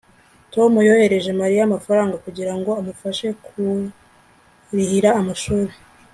tom yohereje mariya amafaranga kugirango amufashe kurihira amashuri